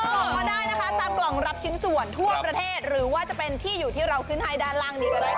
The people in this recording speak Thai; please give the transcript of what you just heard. ส่งมาได้นะคะตามกล่องรับชิ้นส่วนทั่วประเทศหรือว่าจะเป็นที่อยู่ที่เราขึ้นให้ด้านล่างนี้ก็ได้ค่ะ